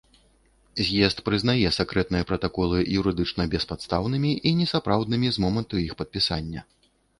З'езд прызнае сакрэтныя пратаколы юрыдычна беспадстаўнымі і несапраўднымі з моманту іх падпісання.